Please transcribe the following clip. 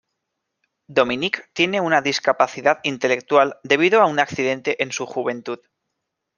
Dominick tiene una discapacidad intelectual debido a un accidente en su juventud.